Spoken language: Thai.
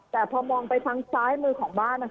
แต่พอมองไปทางซ้ายมือของบ้าน